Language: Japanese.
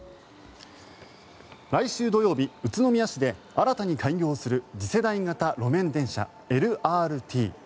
来週土曜日、宇都宮市で新たに開業する次世代型路面電車・ＬＲＴ。